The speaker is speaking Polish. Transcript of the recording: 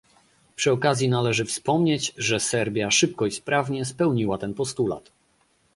Przy okazji należy wspomnieć, że Serbia szybko i sprawnie spełniła ten postulat